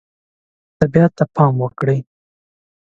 طبیعت ته پام وکړئ.